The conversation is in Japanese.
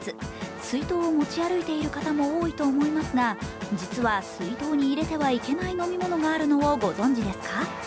水筒を持ち歩いている方も多いと思いますが実は水筒に入れてはいけない飲み物があるのをご存じですか。